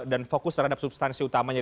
dan fokus terhadap substansi utamanya